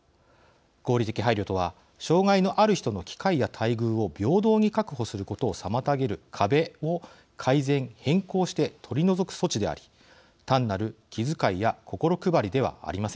合理的配慮とは障害のある人の機会や待遇を平等に確保することを妨げる壁を「改善」「変更」して取り除く措置であり単なる気遣いや心配りではありません。